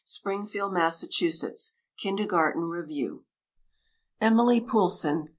Springfield, Massachusetts (Kindergarten Review). EMILIE POULSSON.